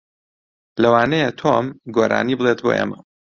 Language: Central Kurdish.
لەوانەیە تۆم گۆرانی بڵێت بۆ ئێمە.